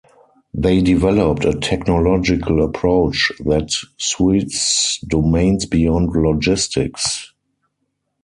They developed a technological approach that suits domains beyond logistics.